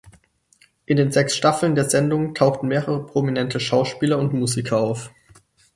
In den sechs Staffeln der Sendung tauchten mehrere Prominente Schauspieler und Musiker auf.